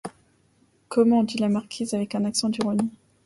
Comment ! dit la marquise avec un accent d’ironie.